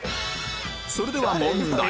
それでは問題